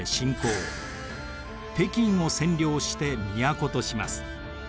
北京を占領して都とします。